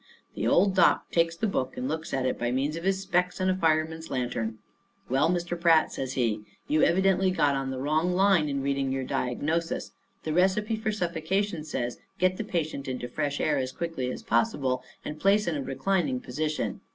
Old doc takes the book and looks at it by means of his specs and a fireman's lantern. "Well, Mr. Pratt," says he, "you evidently got on the wrong line in reading your diagnosis. The recipe for suffocation says: 'Get the patient into fresh air as quickly as possible, and place in a reclining position.